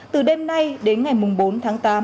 từ đêm nay đến ngày mùng bốn tháng tám